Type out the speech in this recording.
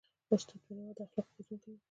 استاد بینوا د اخلاقو روزونکی و.